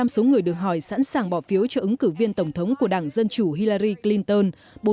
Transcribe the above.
bốn mươi tám số người được hỏi sẵn sàng bỏ phiếu cho ứng cử viên tổng thống của đảng dân chủ hillary clinton